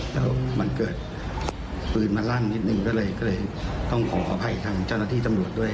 แล้วมันเกิดปืนมันลั่นนิดนึงก็เลยต้องขออภัยทางเจ้าหน้าที่ตำรวจด้วย